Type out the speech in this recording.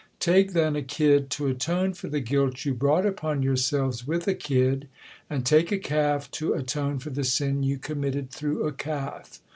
Take, then, a kid to atone for the guilt you brought upon yourselves with a kid, and take a calf to atone for the sin you committed through a calf.